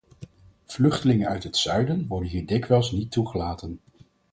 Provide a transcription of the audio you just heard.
Vluchtelingen uit het zuiden worden hier dikwijls niet toegelaten.